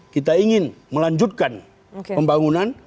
kita ingin melanjutkan pembangunan